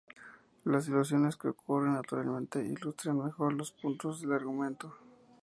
Las ilusiones que ocurren naturalmente ilustran mejor los puntos del argumento.